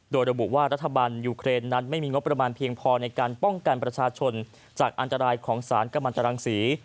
โดยระบุว่ารัฐบาลยูเครนนั้นไม่มีงบประมาณเพียงพอในการป้องกันประชาชนจากอันตรายของสารกำลังตรังศรี